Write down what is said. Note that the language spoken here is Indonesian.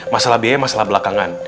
masalah biaya masalah belakangan